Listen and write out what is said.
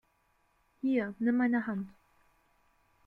Hier, nimm meine Hand!